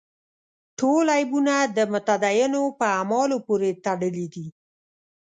ټول عیبونه د متدینو په اعمالو پورې تړلي دي.